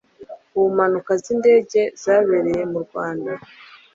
ku mpanuka z' indege zabereye mu rwanda